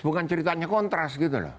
bukan ceritanya kontras gitu loh